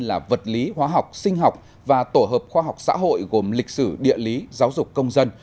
là vật lý hóa học sinh học và tổ hợp khoa học xã hội gồm lịch sử địa lý giáo dục công dân